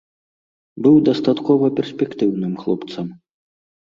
Быў дастаткова перспектыўным хлопцам.